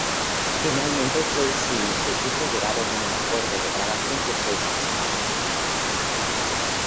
Finalmente Jay-Z y su equipo llegaron a un acuerdo de grabación de seis discos.